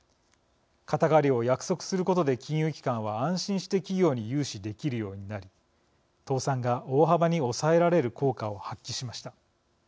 肩代わりを約束することで金融機関は安心して企業に融資できるようになり倒産が大幅に抑えられる効果を発揮しました。